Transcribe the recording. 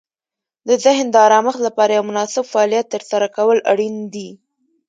د ذهن د آرامښت لپاره یو مناسب فعالیت ترسره کول اړین دي.